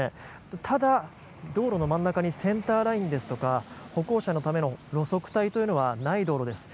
ただ、道路の真ん中にセンターラインですとか歩行者のための路側帯というのはない道路です。